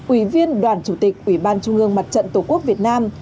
ủy viên đoàn chủ tịch ủy ban trung ương mặt trận tổ quốc việt nam